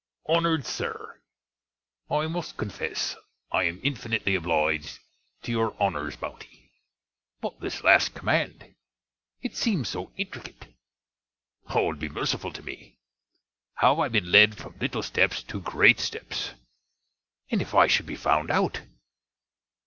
HONNERED SIR, I must confesse I am infinitely obliged to your Honner's bounty. But this last command! It seems so intricket! Lord be merciful to me, how have I been led from littel stepps to grate stepps! And if I should be found out!